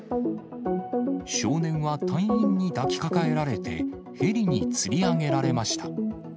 少年は隊員に抱きかかえられて、ヘリにつり上げられました。